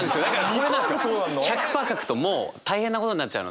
２％でそうなんの？１００％書くともう大変なことになっちゃうので。